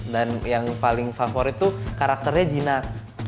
dan yang paling favorit tuh karakternya jinak